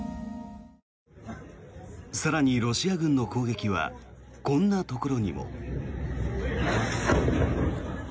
更に、ロシア軍の攻撃はこんなところにも。